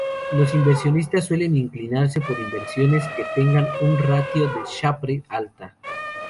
Los inversionistas suelen inclinarse por inversiones que tengan una ratio de Sharpe alta.